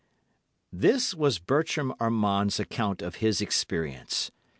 '"This was Bertram Armand's account of his experience.